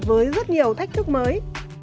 với rất nhiều thách thức mới